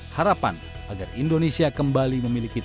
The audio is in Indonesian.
harapan agar indonesia kembali memiliki